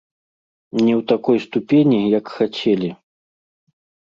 Не ў такой ступені, як хацелі.